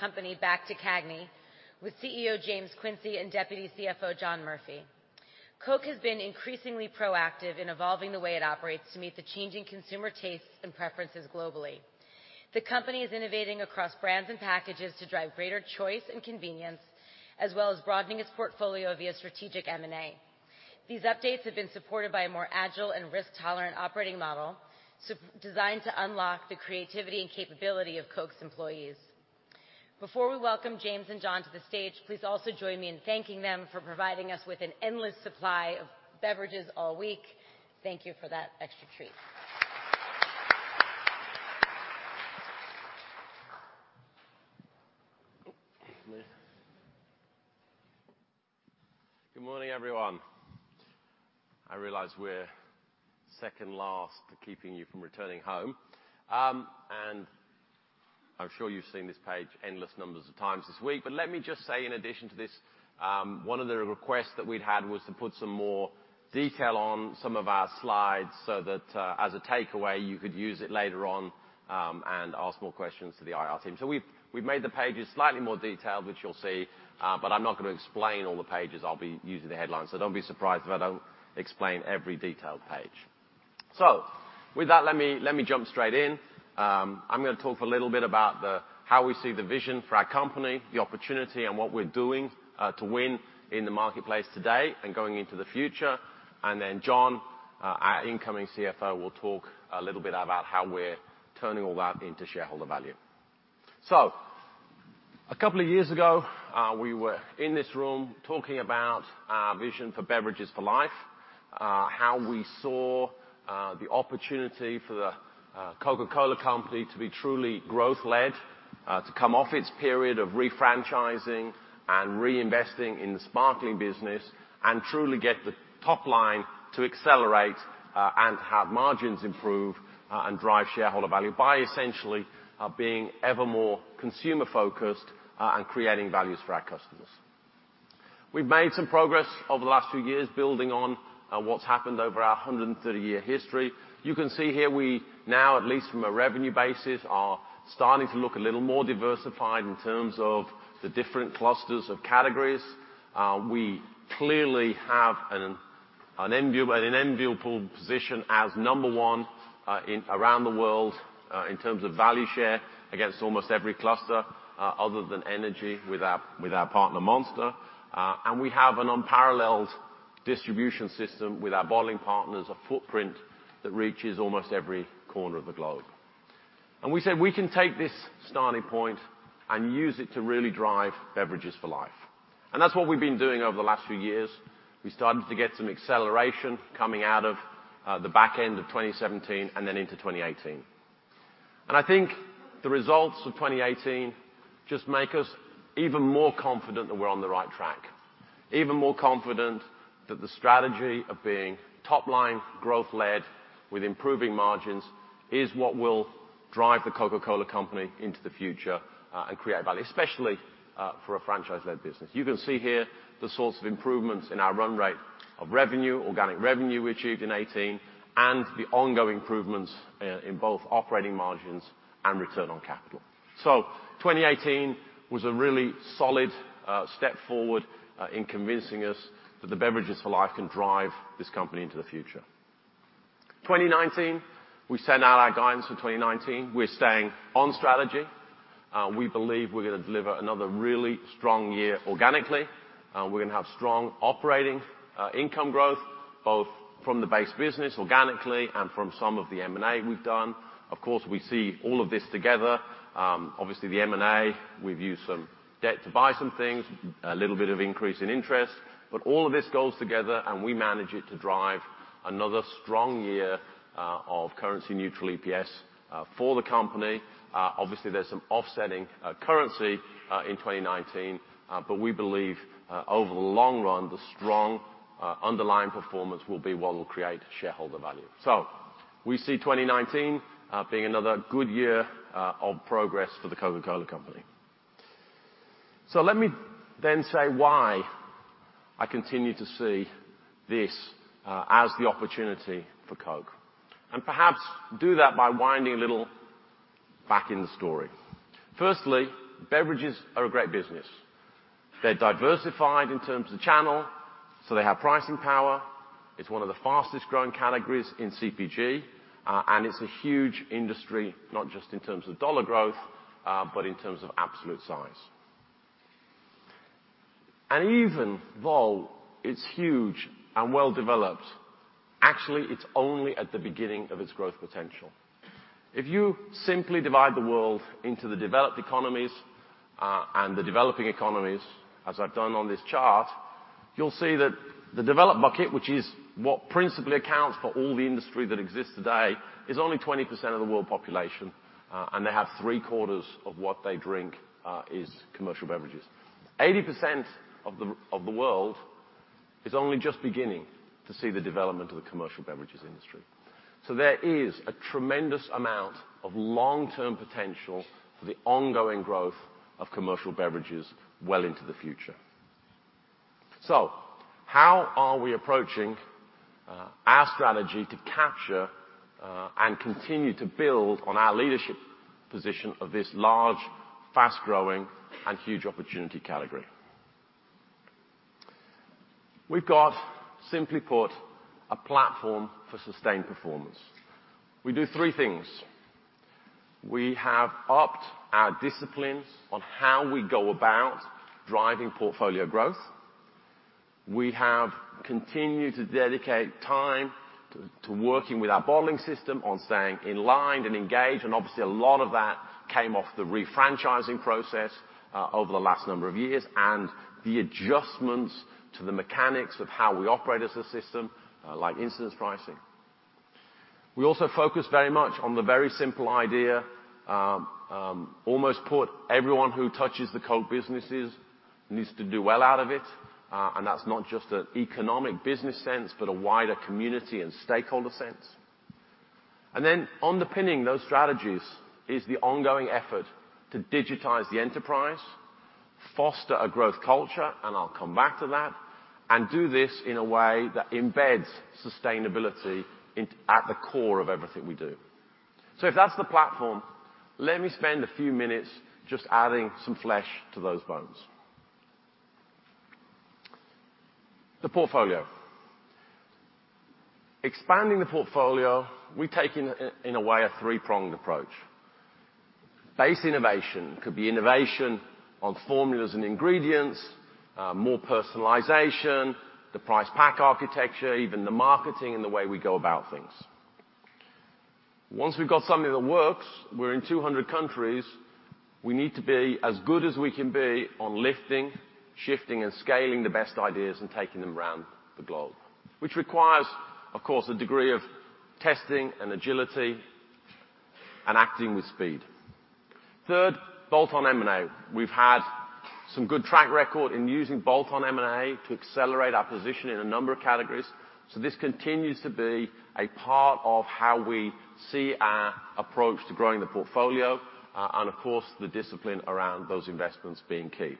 The Coca-Cola Company back to CAGNY with CEO James Quincey and Deputy CFO John Murphy. Coke has been increasingly proactive in evolving the way it operates to meet the changing consumer tastes and preferences globally. The company is innovating across brands and packages to drive greater choice and convenience, as well as broadening its portfolio via strategic M&A. These updates have been supported by a more agile and risk-tolerant operating model designed to unlock the creativity and capability of Coke's employees. Before we welcome James and John to the stage, please also join me in thanking them for providing us with an endless supply of beverages all week. Thank you for that extra treat. Good morning everyone. I realize we're second last to keeping you from returning home. I'm sure you've seen this page endless numbers of times this week, but let me just say, in addition to this, one of the requests that we'd had was to put some more detail on some of our slides so that, as a takeaway, you could use it later on, and ask more questions to the IR team. We've made the pages slightly more detailed, which you'll see, but I'm not going to explain all the pages. I'll be using the headlines. Don't be surprised if I don't explain every detailed page. With that, let me jump straight in. I'm going to talk a little bit about how we see the vision for our company, the opportunity, and what we're doing, to win in the marketplace today and going into the future. John, our incoming CFO, will talk a little bit about how we're turning all that into shareholder value. A couple of years ago, we were in this room talking about our vision for Beverages for Life, how we saw the opportunity for The Coca-Cola Company to be truly growth led, to come off its period of refranchising and reinvesting in the sparkling business, and truly get the top line to accelerate, and have margins improve, and drive shareholder value by essentially being ever more consumer focused, and creating values for our customers. We've made some progress over the last few years, building on what's happened over our 130-year history. You can see here, we now, at least from a revenue basis, are starting to look a little more diversified in terms of the different clusters of categories. We clearly have an enviable position as number one around the world, in terms of value share against almost every cluster, other than energy with our partner Monster. We have an unparalleled distribution system with our bottling partners, a footprint that reaches almost every corner of the globe. We said we can take this starting point and use it to really drive Beverages for Life. That's what we've been doing over the last few years. We started to get some acceleration coming out of the back end of 2017 and then into 2018. I think the results of 2018 just make us even more confident that we're on the right track. Even more confident that the strategy of being top line growth led with improving margins is what will drive The Coca-Cola Company into the future, and create value, especially, for a franchise-led business. You can see here the sorts of improvements in our run rate of revenue, organic revenue we achieved in 2018, and the ongoing improvements in both operating margins and return on capital. 2018 was a really solid step forward in convincing us that the Beverages for Life can drive this company into the future. 2019. We sent out our guidance for 2019. We're staying on strategy. We believe we're going to deliver another really strong year organically. We're going to have strong operating income growth, both from the base business organically and from some of the M&A we've done. We see all of this together. The M&A, we've used some debt to buy some things, a little bit of increase in interest, all of this goes together, and we manage it to drive another strong year of currency neutral EPS for the company. There's some offsetting currency in 2019. We believe, over the long run, the strong underlying performance will be what will create shareholder value. We see 2019 being another good year of progress for The Coca-Cola Company. Let me then say why I continue to see this as the opportunity for Coke, and perhaps do that by winding a little back in the story. Beverages are a great business. They're diversified in terms of channel, they have pricing power. It's one of the fastest growing categories in CPG, it's a huge industry, not just in terms of dollar growth, but in terms of absolute size. Even though it's huge and well developed, actually, it's only at the beginning of its growth potential. If you simply divide the world into the developed economies, and the developing economies, as I've done on this chart, you'll see that the developed bucket, which is what principally accounts for all the industry that exists today, is only 20% of the world population, and they have three quarters of what they drink is commercial beverages. 80% of the world is only just beginning to see the development of the commercial beverages industry. There is a tremendous amount of long-term potential for the ongoing growth of commercial beverages well into the future. How are we approaching our strategy to capture, and continue to build on our leadership position of this large, fast-growing, and huge opportunity category? We've got, simply put, a platform for sustained performance. We do three things. We have upped our disciplines on how we go about driving portfolio growth. We have continued to dedicate time to working with our bottling system on staying in line and engaged, a lot of that came off the refranchising process over the last number of years, and the adjustments to the mechanics of how we operate as a system, like incidence pricing. We also focus very much on the very simple idea, almost put everyone who touches the Coke businesses needs to do well out of it. That's not just an economic business sense, but a wider community and stakeholder sense. Then underpinning those strategies is the ongoing effort to digitize the enterprise, foster a growth culture, and I'll come back to that, and do this in a way that embeds sustainability at the core of everything we do. If that's the platform, let me spend a few minutes just adding some flesh to those bones. The portfolio. Expanding the portfolio, we've taken, in a way, a three-pronged approach. Base innovation could be innovation on formulas and ingredients, more personalization, the price pack architecture, even the marketing and the way we go about things. Once we've got something that works, we're in 200 countries, we need to be as good as we can be on lifting, shifting, and scaling the best ideas and taking them around the globe. Which requires, of course, a degree of testing and agility and acting with speed. Third, bolt-on M&A. We've had some good track record in using bolt-on M&A to accelerate our position in a number of categories. This continues to be a part of how we see our approach to growing the portfolio. Of course, the discipline around those investments being key.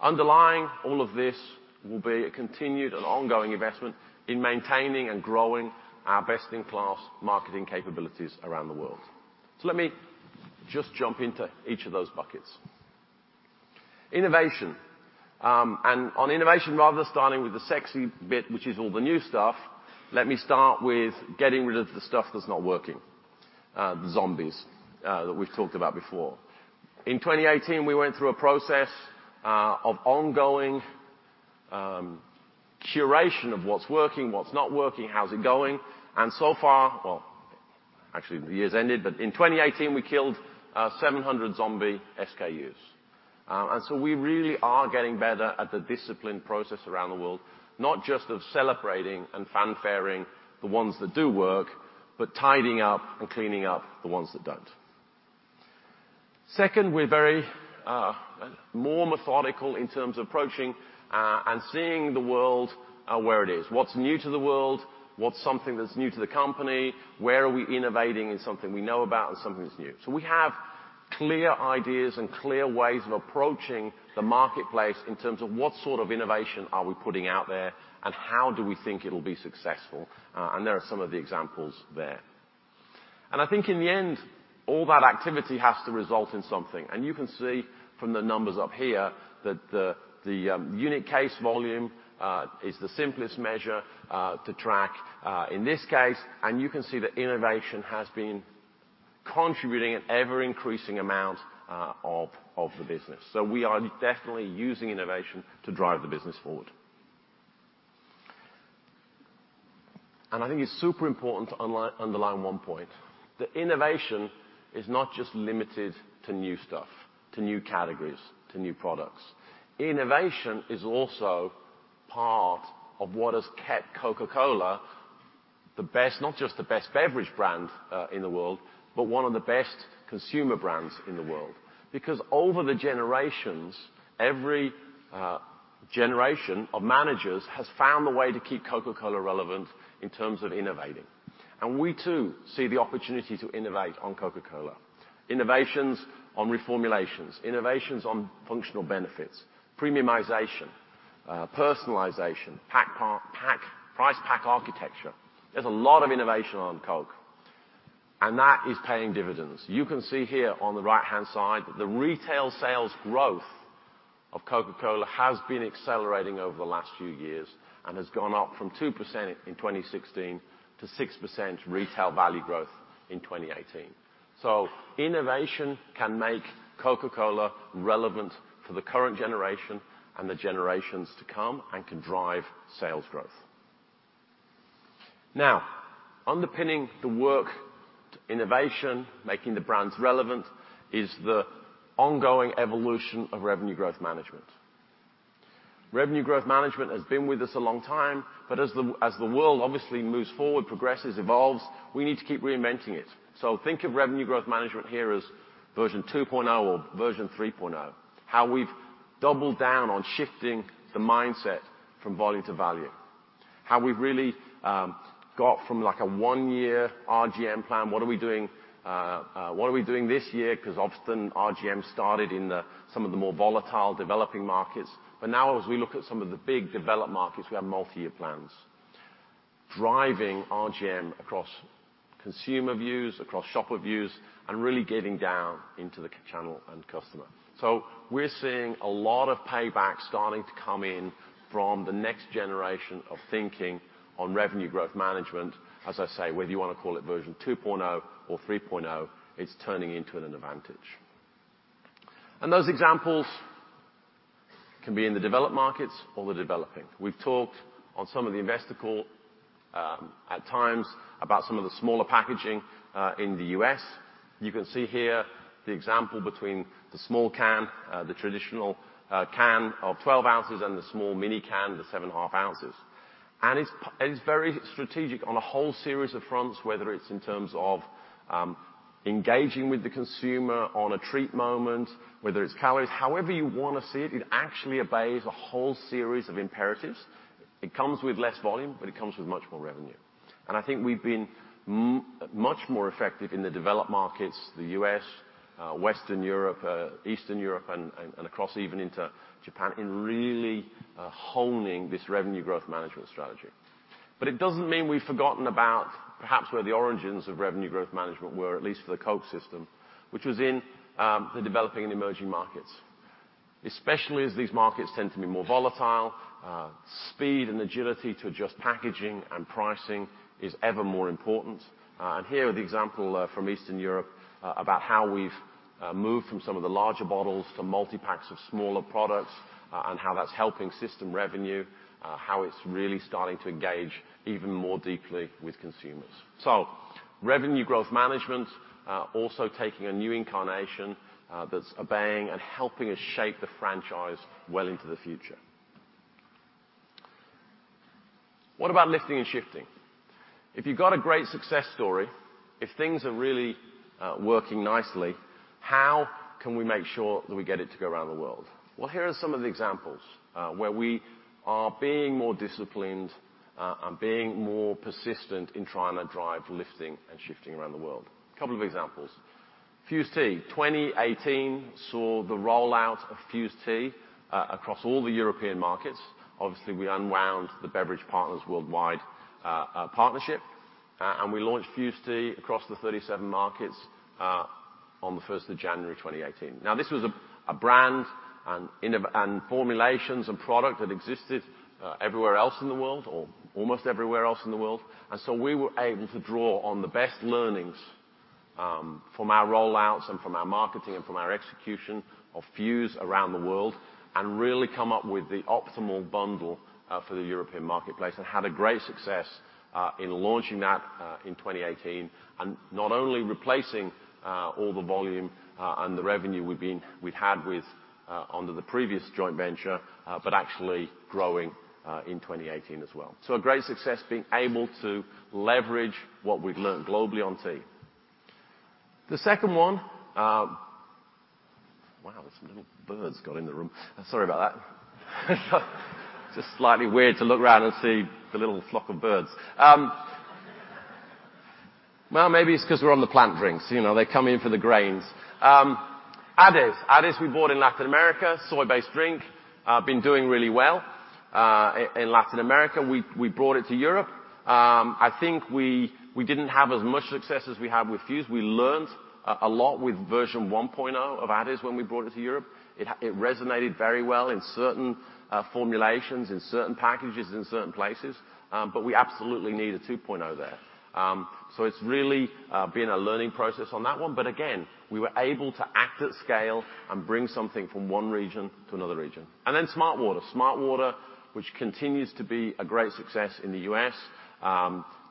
Underlying all of this will be a continued and ongoing investment in maintaining and growing our best-in-class marketing capabilities around the world. Let me just jump into each of those buckets. Innovation. On innovation, rather starting with the sexy bit, which is all the new stuff, let me start with getting rid of the stuff that's not working. The zombies that we've talked about before. In 2018, we went through a process of ongoing curation of what's working, what's not working, how's it going. The year's ended, but in 2018, we killed 700 zombie SKUs. We really are getting better at the disciplined process around the world, not just of celebrating and fanfaring the ones that do work, but tidying up and cleaning up the ones that don't. Second, we're more methodical in terms of approaching and seeing the world where it is. What's new to the world? What's something that's new to the company? Where are we innovating in something we know about and something that's new? We have clear ideas and clear ways of approaching the marketplace in terms of what sort of innovation are we putting out there, and how do we think it'll be successful. There are some of the examples there. I think in the end, all that activity has to result in something. You can see from the numbers up here that the unit case volume is the simplest measure to track, in this case. You can see that innovation has been contributing an ever-increasing amount of the business. We are definitely using innovation to drive the business forward. I think it's super important to underline one point. That innovation is not just limited to new stuff, to new categories, to new products. Innovation is also part of what has kept Coca-Cola the best, not just the best beverage brand in the world, but one of the best consumer brands in the world. Because over the generations, every generation of managers has found a way to keep Coca-Cola relevant in terms of innovating. We too see the opportunity to innovate on Coca-Cola. Innovations on reformulations, innovations on functional benefits, premiumization, personalization, price pack architecture. There's a lot of innovation on Coke, and that is paying dividends. You can see here on the right-hand side that the retail sales growth of Coca-Cola has been accelerating over the last few years and has gone up from 2% in 2016 to 6% retail value growth in 2018. Innovation can make Coca-Cola relevant for the current generation and the generations to come and can drive sales growth. Now, underpinning the work, innovation, making the brands relevant is the ongoing evolution of revenue growth management. Revenue growth management has been with us a long time, but as the world obviously moves forward, progresses, evolves, we need to keep reinventing it. Think of revenue growth management here as version 2.0 or version 3.0. How we've doubled down on shifting the mindset from volume to value. How we've really got from a one-year RGM plan. What are we doing this year? Because often RGM started in some of the more volatile developing markets. Now as we look at some of the big developed markets, we have multi-year plans. Driving RGM across consumer views, across shopper views, and really getting down into the channel and customer. We're seeing a lot of payback starting to come in from the next generation of thinking on revenue growth management. As I say, whether you want to call it version 2.0 or 3.0, it's turning into an advantage. Those examples can be in the developed markets or the developing. We've talked on some of the investor call, at times, about some of the smaller packaging in the U.S. You can see here the example between the small can, the traditional can of 12 ounces, and the small mini can, the 7.5 ounces. It's very strategic on a whole series of fronts, whether it's in terms of engaging with the consumer on a treat moment, whether it's calories, however you want to see it actually obeys a whole series of imperatives. It comes with less volume, it comes with much more revenue. I think we've been much more effective in the developed markets, the U.S., Western Europe, Eastern Europe, and across even into Japan, in really honing this revenue growth management strategy. It doesn't mean we've forgotten about perhaps where the origins of revenue growth management were, at least for the Coke system, which was in the developing and emerging markets. Especially as these markets tend to be more volatile, speed and agility to adjust packaging and pricing is ever more important. Here are the example from Eastern Europe, about how we've moved from some of the larger bottles to multi-packs of smaller products, and how that's helping system revenue, how it's really starting to engage even more deeply with consumers. Revenue growth management, also taking a new incarnation that's obeying and helping us shape the franchise well into the future. What about lifting and shifting? If you've got a great success story, if things are really working nicely, how can we make sure that we get it to go around the world? Here are some of the examples, where we are being more disciplined and being more persistent in trying to drive lifting and shifting around the world. Couple of examples. Fuze Tea. 2018 saw the rollout of Fuze Tea across all the European markets. Obviously, we unwound the Beverage Partners Worldwide partnership, we launched Fuze Tea across the 37 markets on the 1st of January 2018. This was a brand and formulations and product that existed everywhere else in the world, or almost everywhere else in the world. We were able to draw on the best learnings from our rollouts and from our marketing and from our execution of Fuze around the world, really come up with the optimal bundle for the European marketplace, had a great success in launching that in 2018. Not only replacing all the volume and the revenue we'd had under the previous joint venture, but actually growing in 2018 as well. A great success being able to leverage what we've learned globally on tea. The second one Wow, some little birds got in the room. Sorry about that. Just slightly weird to look around and see the little flock of birds. Well, maybe it's because we're on the plant drinks. They're coming in for the grains. AdeS. AdeS we bought in Latin America, soy-based drink, been doing really well, in Latin America. We brought it to Europe. I think we didn't have as much success as we had with Fuze. We learned a lot with version 1.0 of AdeS when we brought it to Europe. It resonated very well in certain formulations, in certain packages in certain places, but we absolutely need a 2.0 there. It's really been a learning process on that one. Again, we were able to act at scale and bring something from one region to another region. Then smartwater. Smartwater, which continues to be a great success in the U.S.,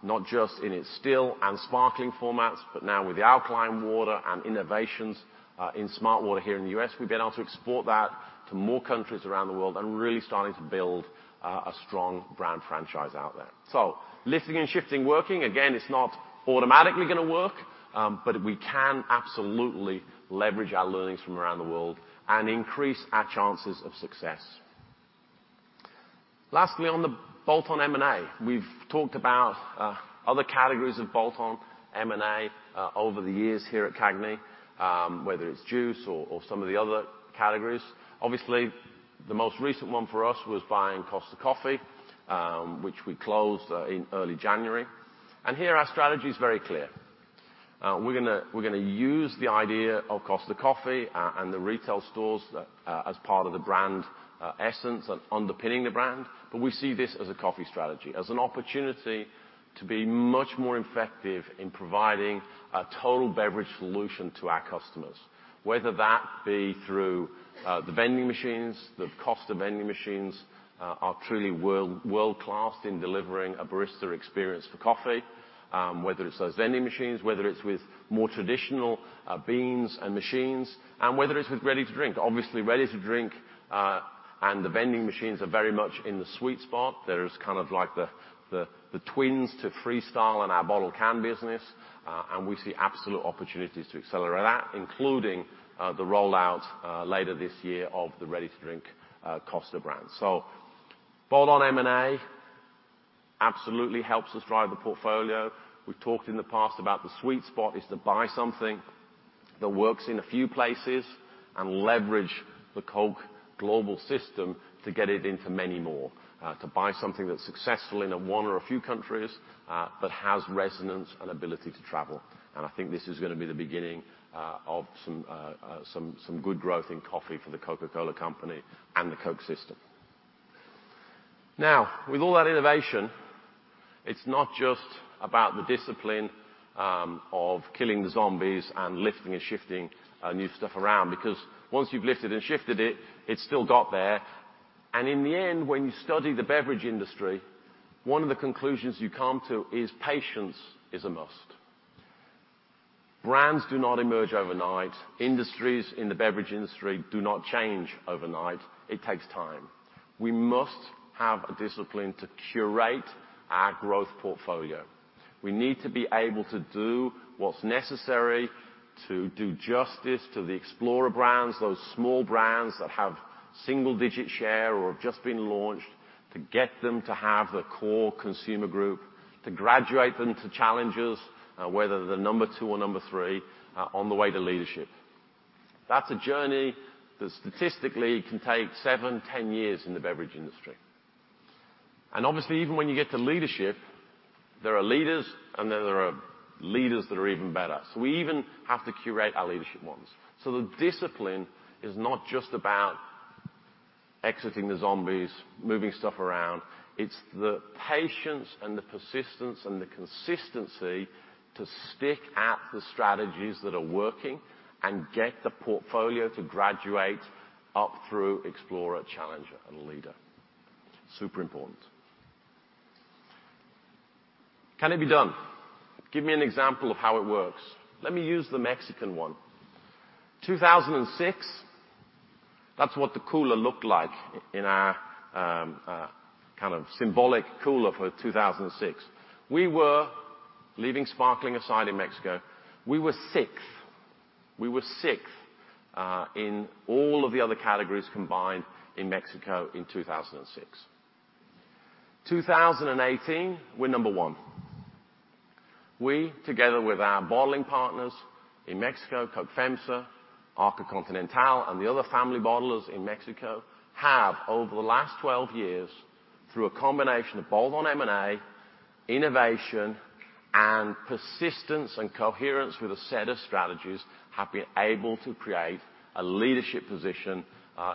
not just in its still and sparkling formats, but now with the alkaline water and innovations in smartwater here in the U.S. We've been able to export that to more countries around the world and really starting to build a strong brand franchise out there. Lifting and shifting working. Again, it's not automatically going to work, but we can absolutely leverage our learnings from around the world and increase our chances of success. Lastly, on the bolt-on M&A. We've talked about other categories of bolt-on M&A over the years here at CAGNY, whether it's juice or some of the other categories. Obviously, the most recent one for us was buying Costa Coffee, which we closed in early January. Here our strategy is very clear. We're going to use the idea of Costa Coffee and the retail stores as part of the brand essence underpinning the brand. We see this as a coffee strategy, as an opportunity to be much more effective in providing a total beverage solution to our customers, whether that be through the vending machines. The Costa vending machines are truly world-class in delivering a barista experience for coffee. Whether it's those vending machines, whether it's with more traditional beans and machines, whether it's with ready to drink. Obviously, ready to drink and the vending machines are very much in the sweet spot. They're just like the twins to Freestyle and our bottled can business, and we see absolute opportunities to accelerate that, including the rollout later this year of the ready-to-drink Costa brand. Bolt-on M&A. Absolutely helps us drive the portfolio. We've talked in the past about the sweet spot is to buy something that works in a few places and leverage the Coke global system to get it into many more. To buy something that's successful in one or a few countries, but has resonance and ability to travel. I think this is going to be the beginning of some good growth in coffee for The Coca-Cola Company and the Coke system. With all that innovation, it is not just about the discipline of killing the zombies and lifting and shifting new stuff around, because once you have lifted and shifted it has still got there. In the end, when you study the beverage industry, one of the conclusions you come to is patience is a must. Brands do not emerge overnight. Industries in the beverage industry do not change overnight. It takes time. We must have a discipline to curate our growth portfolio. We need to be able to do what is necessary to do justice to the explorer brands, those small brands that have single-digit share or have just been launched, to get them to have the core consumer group, to graduate them to challengers, whether they are number two or number three on the way to leadership. That is a journey that statistically can take seven, 10 years in the beverage industry. Obviously, even when you get to leadership, there are leaders, and then there are leaders that are even better. We even have to curate our leadership ones. The discipline is not just about exiting the zombies, moving stuff around, it is the patience and the persistence and the consistency to stick at the strategies that are working and get the portfolio to graduate up through explorer, challenger, and leader. Super important. Can it be done? Give me an example of how it works. Let me use the Mexican one. 2006, that is what the cooler looked like in our kind of symbolic cooler for 2006. Leaving sparkling aside in Mexico, we were sixth. We were sixth in all of the other categories combined in Mexico in 2006. 2018, we are number one. We, together with our bottling partners in Mexico, Coca-Cola FEMSA, Arca Continental, and the other family bottlers in Mexico, have over the last 12 years, through a combination of bolt-on M&A, innovation, and persistence and coherence with a set of strategies, have been able to create a leadership position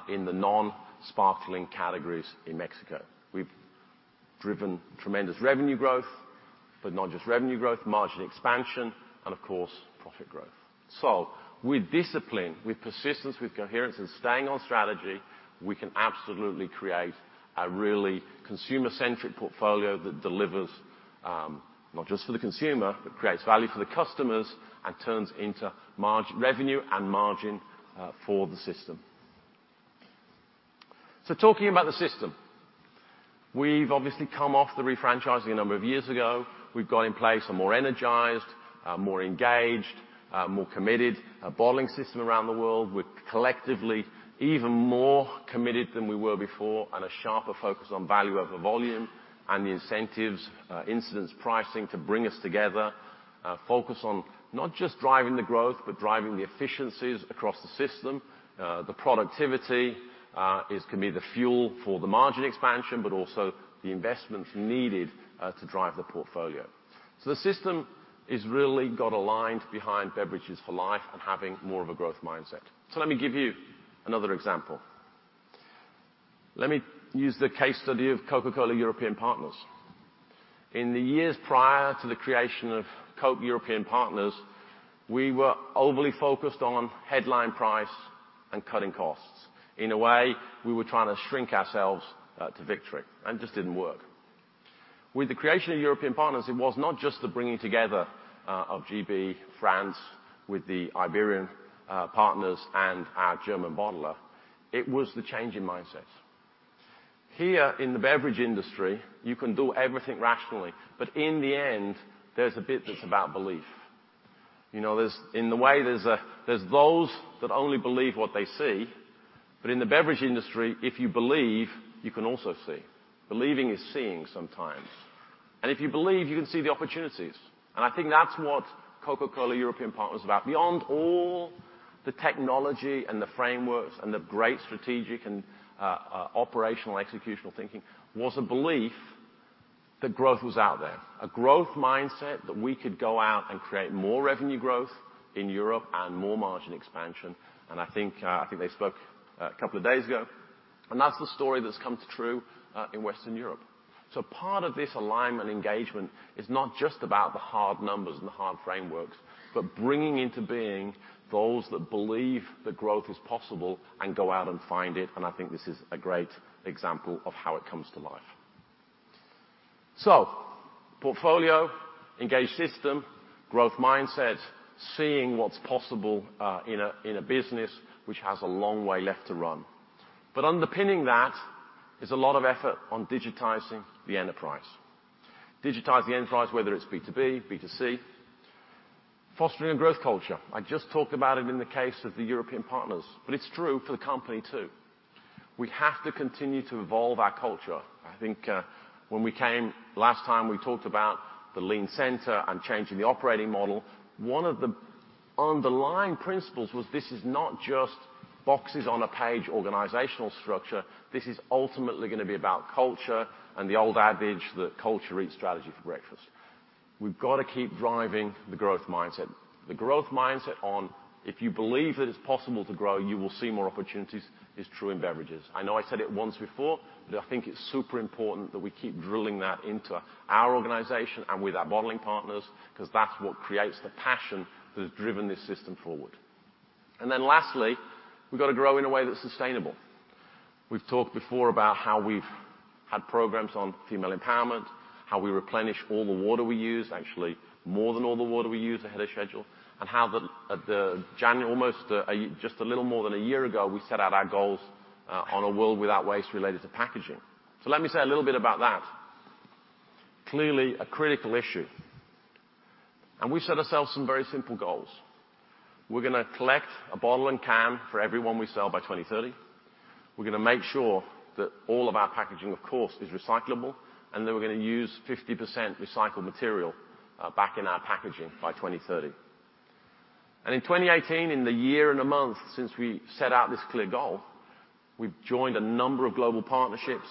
in the non-sparkling categories in Mexico. We have driven tremendous revenue growth. Not just revenue growth, margin expansion, and of course, profit growth. With discipline, with persistence, with coherence, and staying on strategy, we can absolutely create a really consumer-centric portfolio that delivers not just for the consumer, but creates value for the customers and turns into revenue and margin for the system. Talking about the system. We have obviously come off the re-franchising a number of years ago. We have got in place a more energized, a more engaged, a more committed bottling system around the world. We are collectively even more committed than we were before and a sharper focus on value over volume and the incentives, incidence pricing to bring us together. A focus on not just driving the growth, but driving the efficiencies across the system. The productivity can be the fuel for the margin expansion, but also the investments needed to drive the portfolio. The system has really got aligned behind Beverages for Life and having more of a growth mindset. Let me give you another example. Let me use the case study of Coca-Cola European Partners. In the years prior to the creation of Coke European Partners, we were overly focused on headline price and cutting costs. In a way, we were trying to shrink ourselves to victory, and it just did not work. With the creation of European Partners, it was not just the bringing together of GB, France with the Iberian partners and our German bottler, it was the change in mindset. Here in the beverage industry, you can do everything rationally, in the end, there's a bit that's about belief. In the way, there's those that only believe what they see, in the beverage industry, if you believe, you can also see. Believing is seeing sometimes. If you believe, you can see the opportunities, and I think that's what Coca-Cola European Partners is about. Beyond all the technology and the frameworks and the great strategic and operational executional thinking, was a belief that growth was out there. A growth mindset that we could go out and create more revenue growth in Europe and more margin expansion, I think they spoke a couple of days ago, and that's the story that's come to true in Western Europe. Part of this alignment engagement is not just about the hard numbers and the hard frameworks, but bringing into being those that believe that growth is possible and go out and find it, and I think this is a great example of how it comes to life. Portfolio, engaged system, growth mindset, seeing what's possible in a business which has a long way left to run. Underpinning that is a lot of effort on digitizing the enterprise. Digitize the enterprise, whether it's B2B, B2C. Fostering a growth culture. I just talked about it in the case of the European Partners, but it's true for the company, too. We have to continue to evolve our culture. I think when we came last time, we talked about the lean center and changing the operating model. One of the underlying principles was this is not just boxes on a page organizational structure. This is ultimately going to be about culture and the old adage that culture eats strategy for breakfast. We've got to keep driving the growth mindset. The growth mindset on if you believe that it's possible to grow, you will see more opportunities is true in beverages. I know I said it once before, I think it's super important that we keep drilling that into our organization and with our bottling partners because that's what creates the passion that has driven this system forward. Lastly, we've got to grow in a way that's sustainable. We've talked before about how we've had programs on female empowerment, how we replenish all the water we use, actually more than all the water we use ahead of schedule, and how almost just a little more than a year ago, we set out our goals on a World Without Waste related to packaging. Let me say a little bit about that. Clearly a critical issue, we've set ourselves some very simple goals. We're going to collect a bottle and can for every one we sell by 2030. We're going to make sure that all of our packaging, of course, is recyclable, and that we're going to use 50% recycled material back in our packaging by 2030. In 2018, in the year and a month since we set out this clear goal, we've joined a number of global partnerships.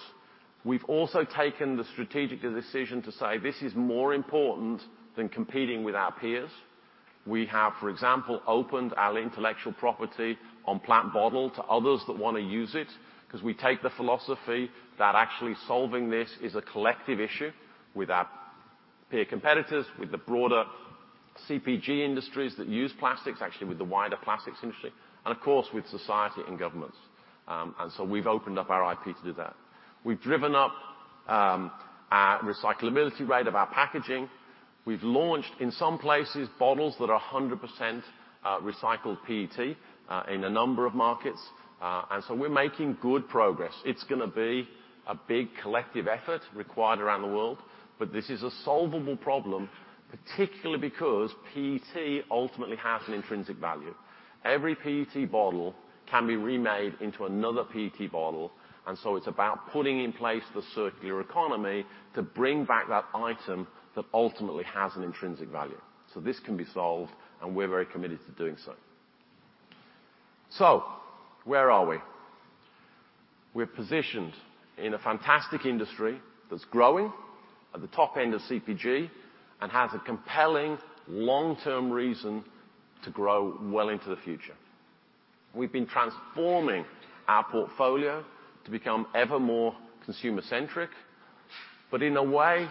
We've also taken the strategic decision to say this is more important than competing with our peers. We have, for example, opened our intellectual property on PlantBottle to others that want to use it because we take the philosophy that actually solving this is a collective issue with our peer competitors, with the broader CPG industries that use plastics, actually with the wider plastics industry, and of course with society and governments. We've opened up our IP to do that. We've driven up our recyclability rate of our packaging. We've launched, in some places, bottles that are 100% recycled PET in a number of markets. We're making good progress. It's going to be a big collective effort required around the world, this is a solvable problem, particularly because PET ultimately has an intrinsic value. Every PET bottle can be remade into another PET bottle, it's about putting in place the circular economy to bring back that item that ultimately has an intrinsic value. This can be solved, and we're very committed to doing so. Where are we? We're positioned in a fantastic industry that's growing at the top end of CPG and has a compelling long-term reason to grow well into the future. We've been transforming our portfolio to become ever more consumer centric, in a way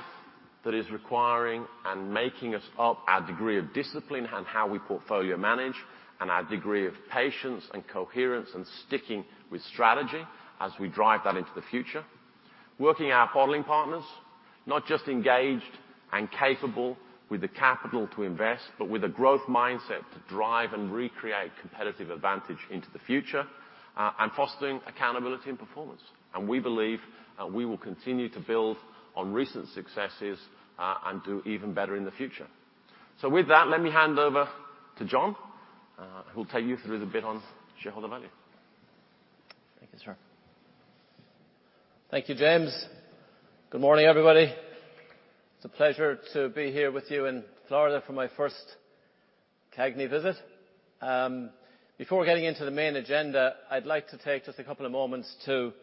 that is requiring and making us up our degree of discipline and how we portfolio manage, and our degree of patience and coherence and sticking with strategy as we drive that into the future. Working our bottling partners, not just engaged and capable with the capital to invest, but with a growth mindset to drive and recreate competitive advantage into the future, and fostering accountability and performance. We believe that we will continue to build on recent successes and do even better in the future. With that, let me hand over to John, who will take you through the bit on shareholder value. Thank you, sir. Thank you, James. Good morning, everybody. It's a pleasure to be here with you in Florida for my first CAGNY visit. Before getting into the main agenda, I'd like to take just a couple of moments to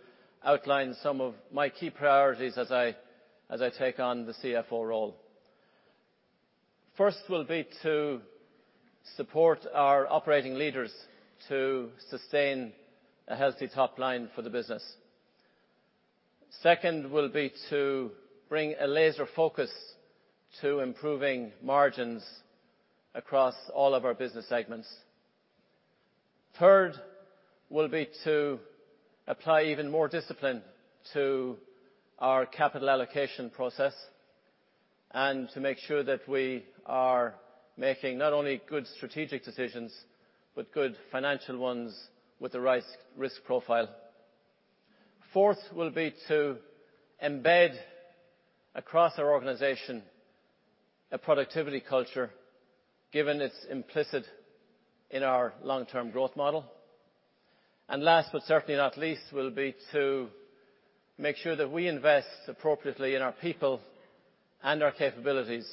outline some of my key priorities as I take on the CFO role. First will be to support our operating leaders to sustain a healthy top line for the business. Second will be to bring a laser focus to improving margins across all of our business segments. Third will be to apply even more discipline to our capital allocation process and to make sure that we are making not only good strategic decisions, but good financial ones with the right risk profile. Fourth will be to embed across our organization a productivity culture, given it's implicit in our long-term growth model. Last, but certainly not least, will be to make sure that we invest appropriately in our people and our capabilities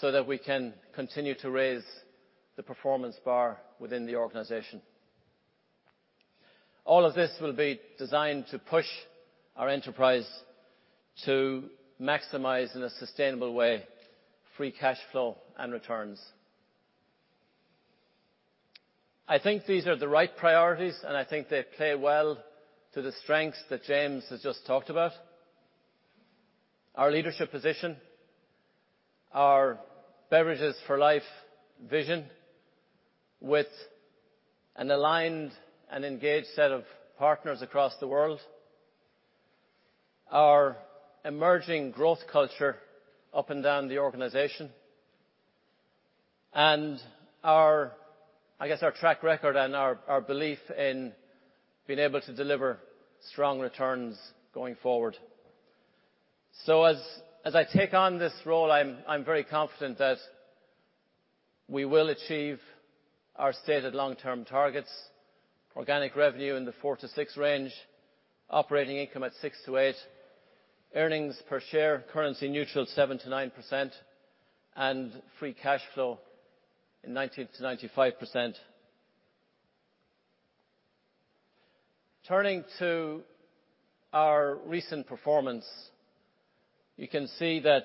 so that we can continue to raise the performance bar within the organization. All of this will be designed to push our enterprise to maximize in a sustainable way free cash flow and returns. I think these are the right priorities, and I think they play well to the strengths that James has just talked about. Our leadership position, our Beverages for Life vision with an aligned and engaged set of partners across the world, our emerging growth culture up and down the organization, and our track record and our belief in being able to deliver strong returns going forward. As I take on this role, I'm very confident that we will achieve our stated long-term targets. Organic revenue in the 4%-6% range, operating income at 6%-8%, earnings per share, currency neutral, 7%-9%, and free cash flow in 90%-95%. Turning to our recent performance, you can see that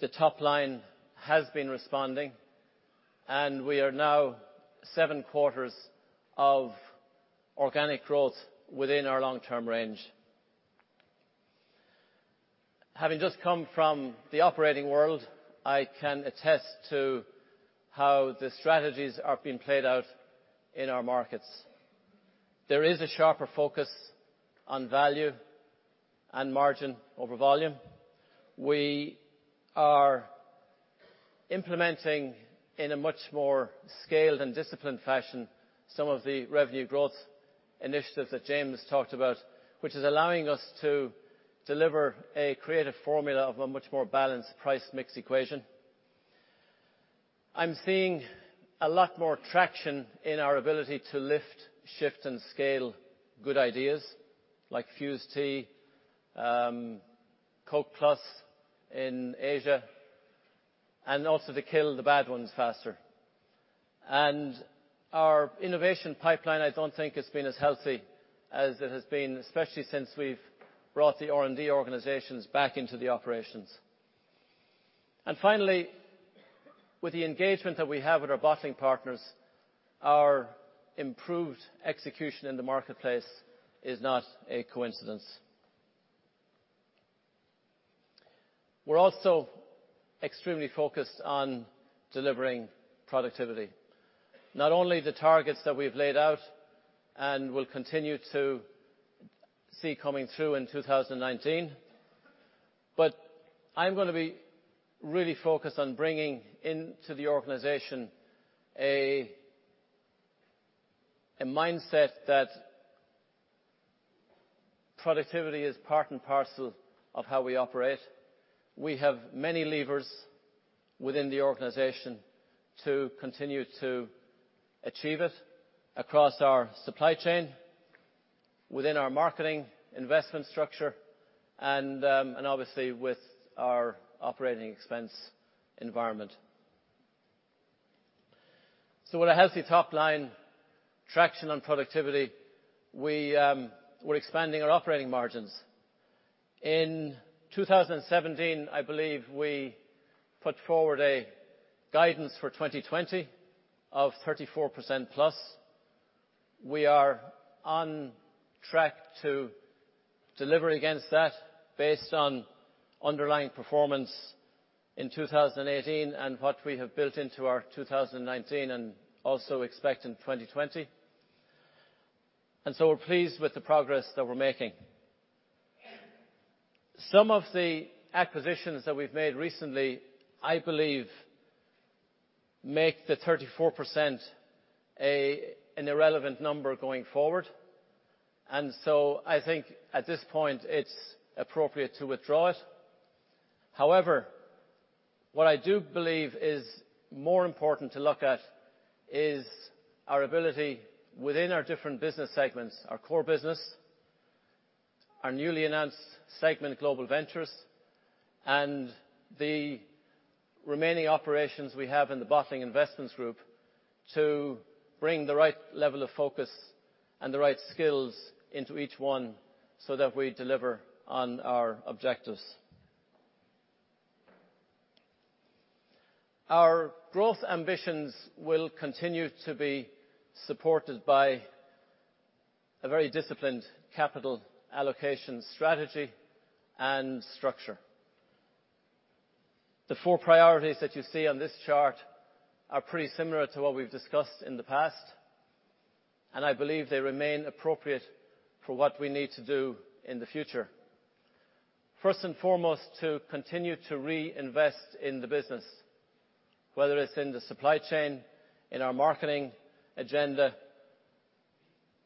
the top line has been responding, and we are now seven quarters of organic growth within our long-term range. Having just come from the operating world, I can attest to how the strategies are being played out in our markets. There is a sharper focus on value and margin over volume. We are implementing, in a much more scaled and disciplined fashion, some of the revenue growth initiatives that James talked about, which is allowing us to deliver a creative formula of a much more balanced price mix equation. I'm seeing a lot more traction in our ability to lift, shift, and scale good ideas like Fuze Tea, Coke Plus in Asia, and also to kill the bad ones faster. Our innovation pipeline, I don't think has been as healthy as it has been, especially since we've brought the R&D organizations back into the operations. Finally, with the engagement that we have with our bottling partners, our improved execution in the marketplace is not a coincidence. We're also extremely focused on delivering productivity. Not only the targets that we've laid out and will continue to see coming through in 2019, but I'm going to be really focused on bringing into the organization a mindset that productivity is part and parcel of how we operate. We have many levers within the organization to continue to achieve it across our supply chain, within our marketing investment structure, and obviously, with our expense environment. With a healthy top line traction on productivity, we're expanding our operating margins. In 2017, I believe we put forward a guidance for 2020 of 34% plus. We are on track to deliver against that based on underlying performance in 2018, and what we have built into our 2019, and also expect in 2020. We're pleased with the progress that we're making. Some of the acquisitions that we've made recently, I believe, make the 34% an irrelevant number going forward. I think at this point, it's appropriate to withdraw it. What I do believe is more important to look at is our ability within our different business segments, our core business, our newly announced segment Global Ventures, and the remaining operations we have in the Bottling Investments Group to bring the right level of focus and the right skills into each one so that we deliver on our objectives. Our growth ambitions will continue to be supported by a very disciplined capital allocation strategy and structure. The four priorities that you see on this chart are pretty similar to what we've discussed in the past, I believe they remain appropriate for what we need to do in the future. First and foremost, to continue to reinvest in the business, whether it's in the supply chain, in our marketing agenda,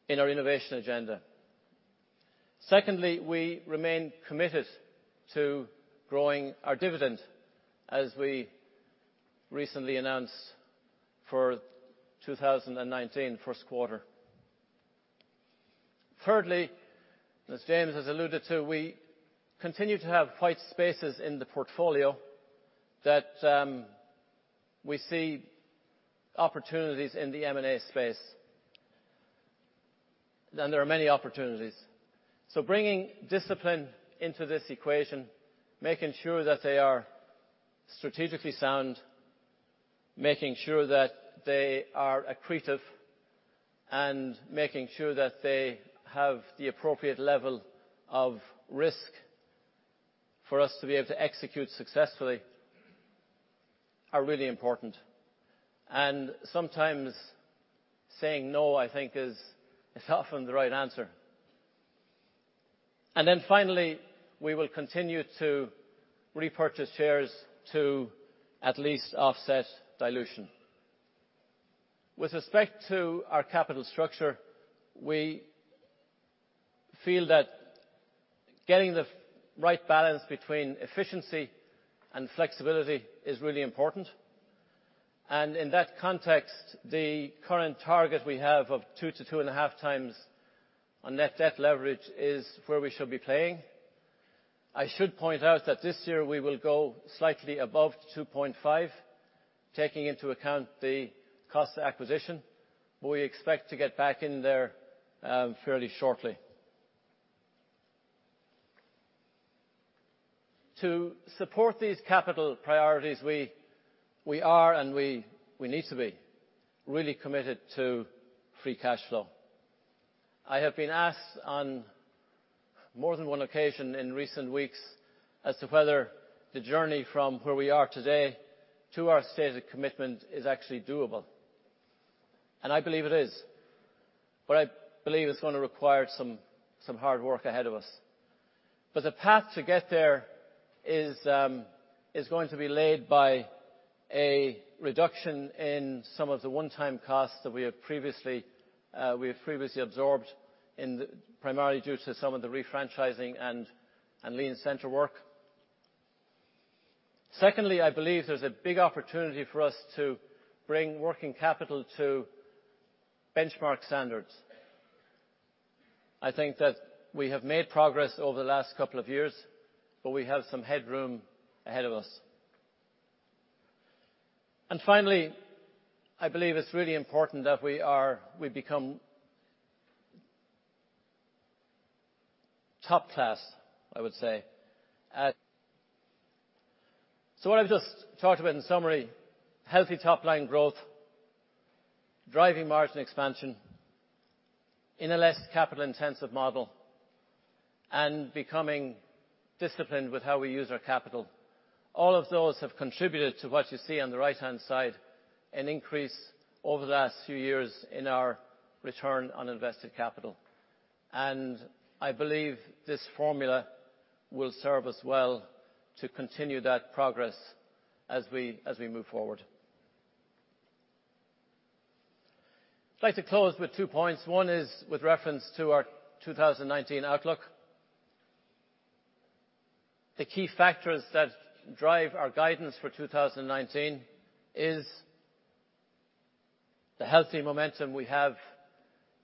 in our innovation agenda. Secondly, we remain committed to growing our dividend as we recently announced for 2019 first quarter. Thirdly, as James has alluded to, we continue to have white spaces in the portfolio that we see opportunities in the M&A space. There are many opportunities. Bringing discipline into this equation, making sure that they are strategically sound, making sure that they are accretive, and making sure that they have the appropriate level of risk for us to be able to execute successfully are really important. Sometimes saying no, I think, is often the right answer. Finally, we will continue to repurchase shares to at least offset dilution. With respect to our capital structure, we feel that getting the right balance between efficiency and flexibility is really important. In that context, the current target we have of two to two and a half times on net debt leverage is where we should be playing. I should point out that this year we will go slightly above 2.5, taking into account the cost of acquisition. We expect to get back in there fairly shortly. To support these capital priorities, we are and we need to be really committed to free cash flow. I have been asked on more than one occasion in recent weeks as to whether the journey from where we are today to our stated commitment is actually doable. I believe it is. I believe it's going to require some hard work ahead of us. The path to get there is going to be laid by a reduction in some of the one-time costs that we have previously absorbed, primarily due to some of the refranchising and lean center work. Secondly, I believe there's a big opportunity for us to bring working capital to benchmark standards. I think that we have made progress over the last couple of years, but we have some headroom ahead of us. Finally, I believe it's really important that we become top class, I would say. What I've just talked about in summary, healthy top line growth, driving margin expansion in a less capital-intensive model, and becoming disciplined with how we use our capital. All of those have contributed to what you see on the right-hand side, an increase over the last few years in our return on invested capital. I believe this formula will serve us well to continue that progress as we move forward. I'd like to close with two points. One is with reference to our 2019 outlook. The key factors that drive our guidance for 2019 is the healthy momentum we have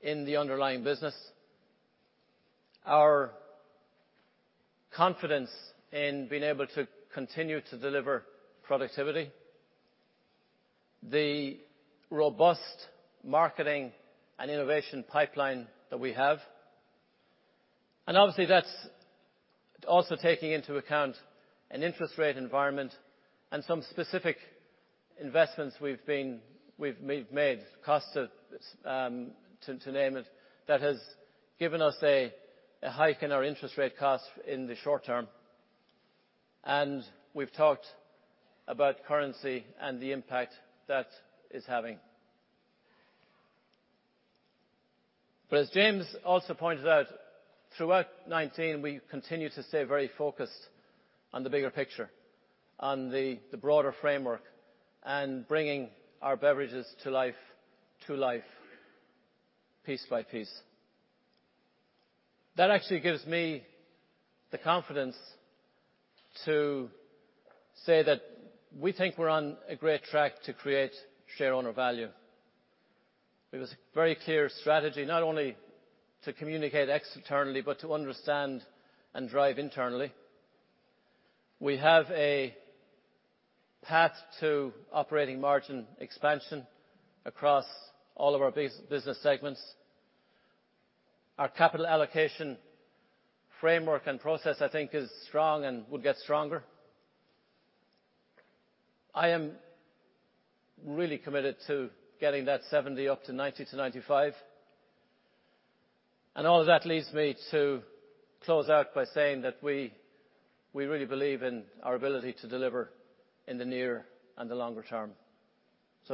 in the underlying business, our confidence in being able to continue to deliver productivity, the robust marketing and innovation pipeline that we have. Obviously, that's also taking into account an interest rate environment and some specific investments we've made, costs to name it, that has given us a hike in our interest rate costs in the short term. We've talked about currency and the impact that is having. As James also pointed out, throughout 2019, we continue to stay very focused on the bigger picture, on the broader framework, and bringing our beverages to life piece by piece. That actually gives me the confidence to say that we think we're on a great track to create shareowner value. It was a very clear strategy, not only to communicate externally, but to understand and drive internally. We have a path to operating margin expansion across all of our business segments. Our capital allocation framework and process, I think, is strong and will get stronger. I am really committed to getting that 70 up to 90 to 95. All of that leads me to close out by saying that we really believe in our ability to deliver in the near and the longer term.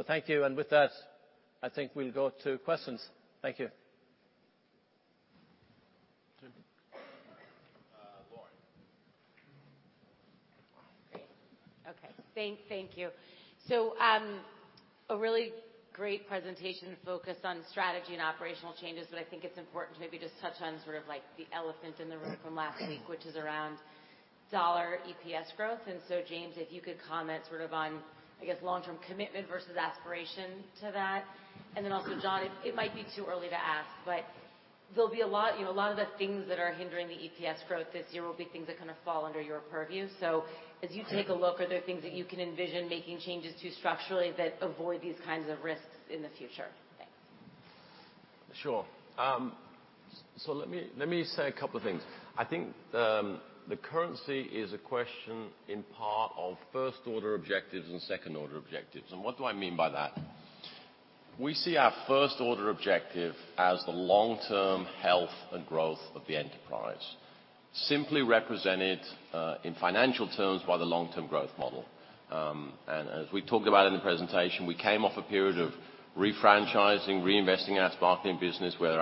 Thank you. With that, I think we'll go to questions. Thank you. Lauren. Great. Okay. Thank you. A really great presentation focused on strategy and operational changes, but I think it's important to maybe just touch on sort of the elephant in the room from last week, which is around dollar EPS growth. James, if you could comment sort of on, I guess, long-term commitment versus aspiration to that. Also, John, it might be too early to ask, but a lot of the things that are hindering the EPS growth this year will be things that kind of fall under your purview. As you take a look, are there things that you can envision making changes to structurally that avoid these kinds of risks in the future? Thanks. Sure. Let me say a couple of things. I think the currency is a question in part of first-order objectives and second-order objectives. What do I mean by that? We see our first-order objective as the long-term health and growth of the enterprise, simply represented, in financial terms by the long-term growth model. As we talked about in the presentation, we came off a period of refranchising, reinvesting in our sparkling business, where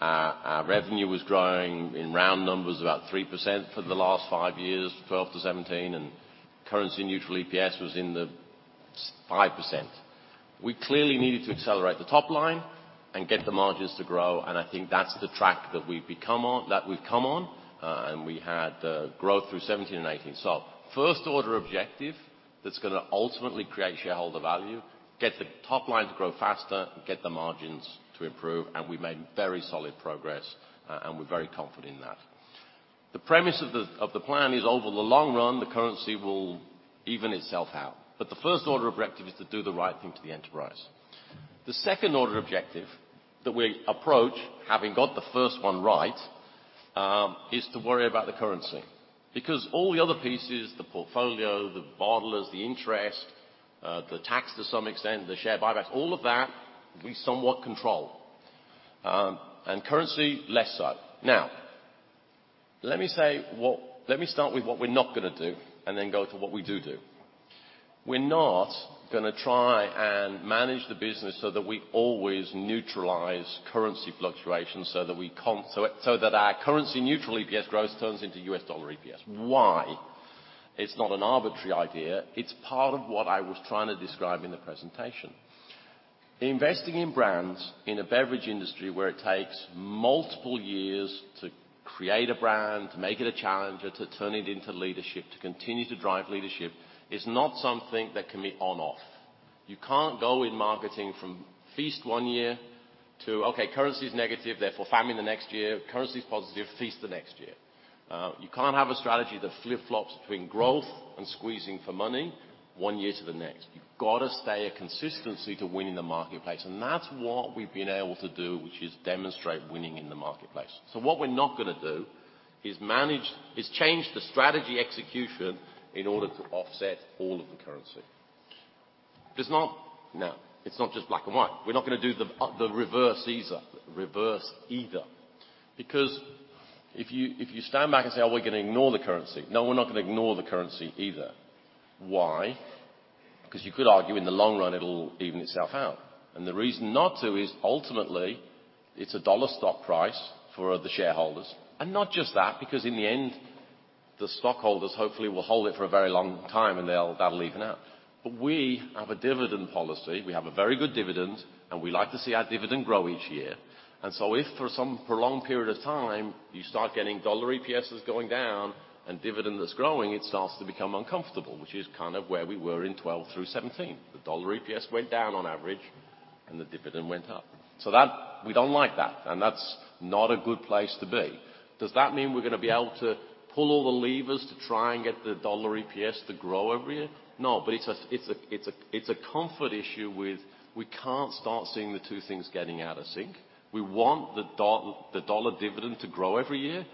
our revenue was growing in round numbers about 3% for the last five years, 2012 to 2017, and Currency neutral EPS was in the 5%. We clearly needed to accelerate the top line and get the margins to grow. I think that's the track that we've come on. We had growth through 2017 and 2018. First order objective that's going to ultimately create shareholder value, get the top line to grow faster, get the margins to improve, and we've made very solid progress, and we're very confident in that. The premise of the plan is over the long run, the currency will even itself out. The first order objective is to do the right thing to the enterprise. The second order objective that we approach, having got the first one right, is to worry about the currency. All the other pieces, the portfolio, the bottlers, the interest, the tax to some extent, the share buybacks, all of that, we somewhat control. Currency, less so. Now, let me start with what we're not going to do and then go to what we do do. We're not going to try and manage the business so that we always neutralize currency fluctuations so that our currency neutral EPS gross turns into US dollar EPS. Why? It's not an arbitrary idea. It's part of what I was trying to describe in the presentation. Investing in brands in a beverage industry where it takes multiple years to create a brand, to make it a challenger, to turn it into leadership, to continue to drive leadership, is not something that can be on-off. You can't go in marketing from feast one year to, okay, currency is negative, therefore famine the next year. Currency's positive, feast the next year. You can't have a strategy that flip-flops between growth and squeezing for money one year to the next. You've got to stay a consistency to winning the marketplace, and that's what we've been able to do, which is demonstrate winning in the marketplace. What we're not going to do is change the strategy execution in order to offset all of the currency. Now, it's not just black and white. We're not going to do the reverse either. If you stand back and say, "Oh, we're going to ignore the currency," no, we're not going to ignore the currency either. Why? You could argue in the long run it'll even itself out. The reason not to is ultimately it's a dollar stock price for the shareholders. Not just that, in the end, the stockholders hopefully will hold it for a very long time and that'll even out. We have a dividend policy. We have a very good dividend. We like to see our dividend grow each year. If for some prolonged period of time you start getting dollar EPSs going down and dividend that's growing, it starts to become uncomfortable, which is kind of where we were in 2012 through 2017. The dollar EPS went down on average and the dividend went up. That, we don't like that. That's not a good place to be. Does that mean we're going to be able to pull all the levers to try and get the dollar EPS to grow every year? No. It's a comfort issue with we can't start seeing the two things getting out of sync. We want the dollar dividend to grow every year.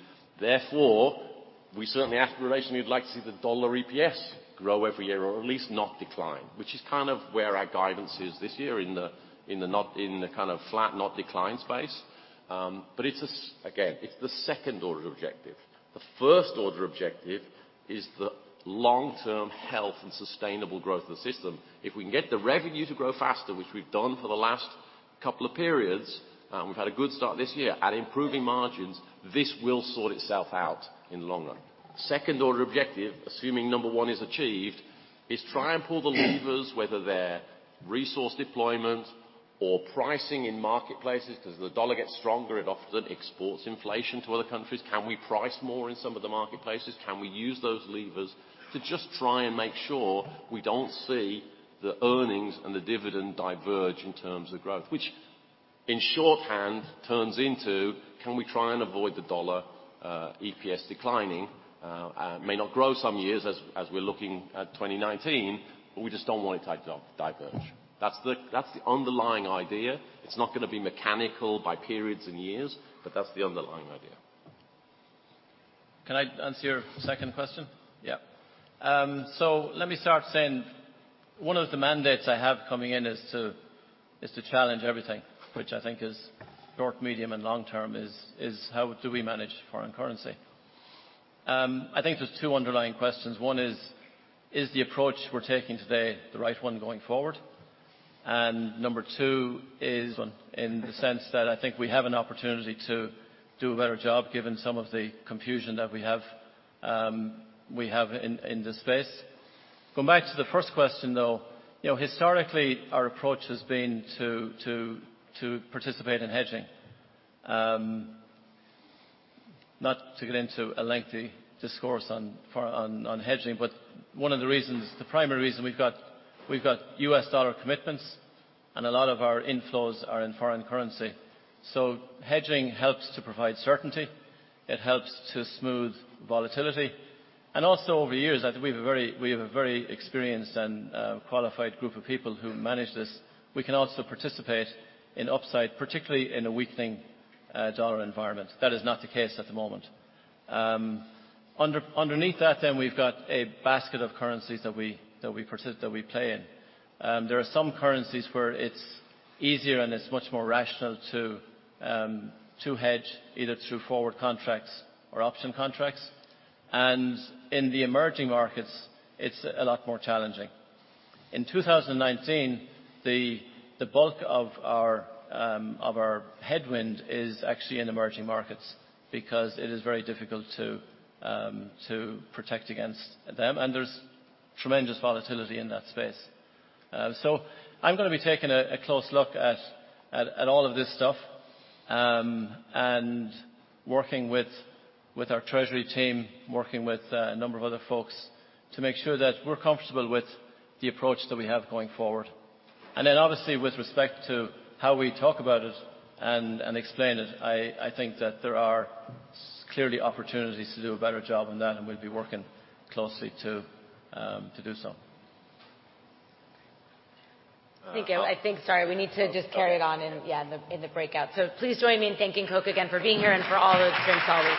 We certainly aspirationally would like to see the dollar EPS grow every year, or at least not decline. Which is kind of where our guidance is this year in the kind of flat, not decline space. Again, it's the second order objective. The first order objective is the long-term health and sustainable growth of the system. If we can get the revenue to grow faster, which we've done for the last couple of periods, and we've had a good start this year at improving margins, this will sort itself out in the long run. Second order objective, assuming number 1 is achieved, is try and pull the levers, whether they're resource deployment or pricing in marketplaces. Because the dollar gets stronger, it often exports inflation to other countries. Can we price more in some of the marketplaces? Can we use those levers to just try and make sure we don't see the earnings and the dividend diverge in terms of growth? Which in shorthand turns into can we try and avoid the dollar EPS declining? It may not grow some years as we're looking at 2019, we just don't want it to diverge. That's the underlying idea. It's not going to be mechanical by periods and years, but that's the underlying idea. Can I answer your second question? Yeah. Let me start saying one of the mandates I have coming in is to challenge everything, which I think is short, medium, and long-term is how do we manage foreign currency? I think there's two underlying questions. One is the approach we're taking today the right one going forward? Number two is in the sense that I think we have an opportunity to do a better job given some of the confusion that we have in this space. Going back to the first question, though, historically our approach has been to participate in hedging. Not to get into a lengthy discourse on hedging, but one of the reasons, the primary reason we've got U.S. dollar commitments, and a lot of our inflows are in foreign currency. Hedging helps to provide certainty. It helps to smooth volatility. Over years, I think we have a very experienced and qualified group of people who manage this. We can also participate in upside, particularly in a weakening dollar environment. That is not the case at the moment. Underneath that we've got a basket of currencies that we play in. There are some currencies where it's easier and it's much more rational to hedge either through forward contracts or option contracts. In the emerging markets, it's a lot more challenging. In 2019, the bulk of our headwind is actually in emerging markets because it is very difficult to protect against them, and there's tremendous volatility in that space. I'm going to be taking a close look at all of this stuff, and working with our treasury team, working with a number of other folks to make sure that we're comfortable with the approach that we have going forward. Obviously with respect to how we talk about it and explain it, I think that there are clearly opportunities to do a better job on that, and we'll be working closely to do so. Thank you. I think, sorry, we need to just carry it on in the breakout. Please join me in thanking Coke again for being here and for all his insights all week.